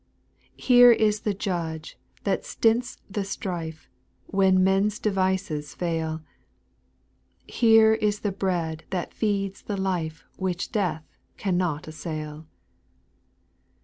8. Here is the Judge that stints the strife, When men's devices fail ; Here is the bread that feeds the life Which death cannot assail.